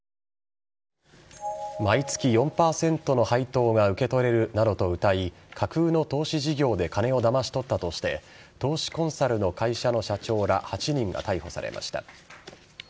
毎月４％の配当が受け取れるなどとうたい架空の投資事業で金をだまし取ったとして投資コンサルの会社の社長ら８人が逮捕されました。